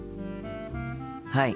はい。